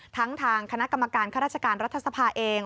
ทางคณะกรรมการข้าราชการรัฐสภาเอง